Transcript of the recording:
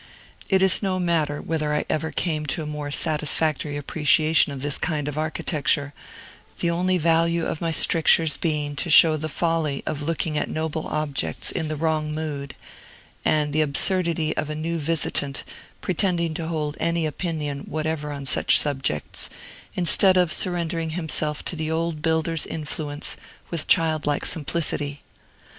It is no matter whether I ever came to a more satisfactory appreciation of this kind of architecture; the only value of my strictures being to show the folly of looking at noble objects in the wrong mood, and the absurdity of a new visitant pretending to hold any opinion whatever on such subjects, instead of surrendering himself to the old builder's influence with childlike simplicity.